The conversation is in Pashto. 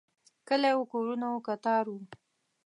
کلی و، کورونه و، کتار و